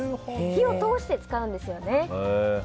火を通して使うんですよね。